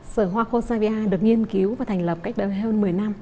sửa hoa khô savia được nghiên cứu và thành lập cách bởi hơn một mươi năm